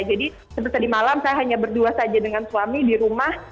jadi seperti tadi malam saya hanya berdua saja dengan suami di rumah